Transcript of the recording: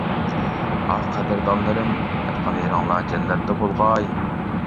ئاھ قەدىردانلىرىم ياتقان يېرىڭلار جەننەتتە بولغاي!